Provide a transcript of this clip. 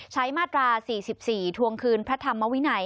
มาตรา๔๔ทวงคืนพระธรรมวินัย